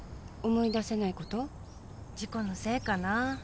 事故のせいかな。